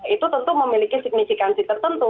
itu tentu memiliki signifikansi tertentu